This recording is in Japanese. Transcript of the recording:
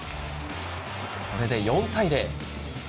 これで４対０。